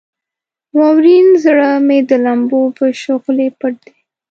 واورین زړه مې د لمبو په شغلې پټ دی.